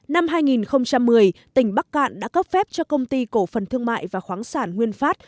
năm hai nghìn một mươi tỉnh bắc cạn đã cấp phép cho công ty cổ phần thương mại và khoáng sản nguyên phát